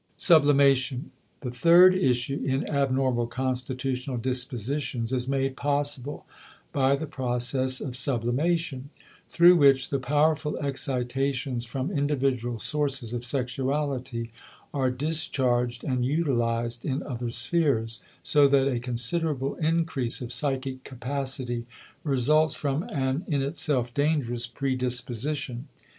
*Sublimation.* The third issue in abnormal constitutional dispositions is made possible by the process of "sublimation," through which the powerful excitations from individual sources of sexuality are discharged and utilized in other spheres, so that a considerable increase of psychic capacity results from an, in itself dangerous, predisposition.